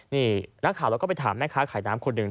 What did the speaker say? นี่นักข่าวเราก็ไปถามแม่ค้าขายน้ำคนหนึ่ง